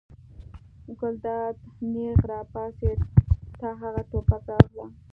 ګلداد نېغ را پاڅېد: ته هغه ټوپک راواخله.